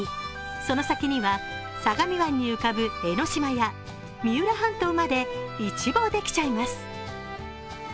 その先には相模湾に浮かぶ江の島や三浦半島まで一望できちゃいます。